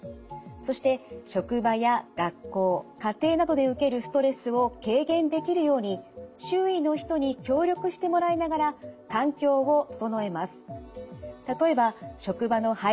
そして職場や学校家庭などで受けるストレスを軽減できるように周囲の人に協力してもらいながら環境を整えます。